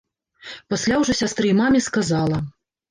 Пасля ўжо сястры і маме сказала.